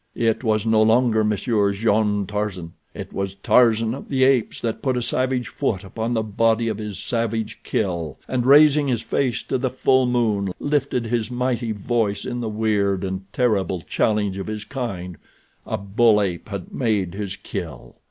It was no longer Monsieur Jean Tarzan; it was Tarzan of the Apes that put a savage foot upon the body of his savage kill, and, raising his face to the full moon, lifted his mighty voice in the weird and terrible challenge of his kind—a bull ape had made his kill.